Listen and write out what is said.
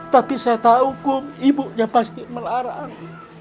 tapi saya tahu hukum ibunya pasti melarang